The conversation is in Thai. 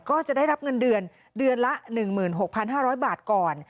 ก็จะได้รับเงินเดือนเดือนละหนึ่งหมื่นหกพันห้าร้อยบาทก่อน